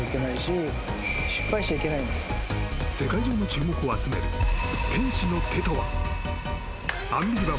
世界中の注目を集める天使の手とは？